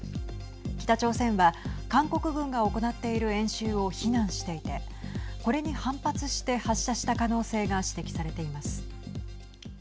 北朝鮮は、韓国軍が行っている演習を非難していてこれに反発して発射した可能性が指摘されています。